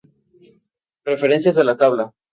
Referencias de la tabla.